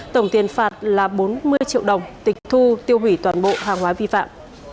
tổng tiền phạt là bốn mươi triệu đồng tịch thu tiêu hủy toàn bộ hàng hóa vi phạm